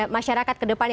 masyarakat ke depan